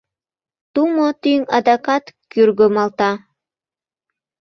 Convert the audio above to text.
Тумо тӱҥ адакат кӱргымалта.